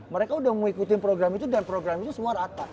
mereka udah mengikuti program itu dan program itu semua rata